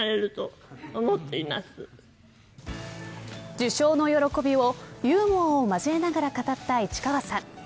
受賞の喜びをユーモアを交えながら語った市川さん。